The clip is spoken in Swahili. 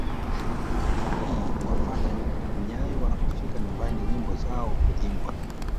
Lakini wafata nyayo wanapofika nyumbani nyimbo zao huimbwa